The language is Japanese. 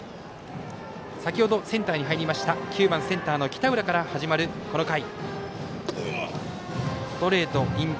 先ほどセンターに入った９番の北浦から始まる、この回。